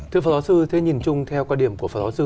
thưa phật giáo sư thế nhìn chung theo quan điểm của phật giáo sư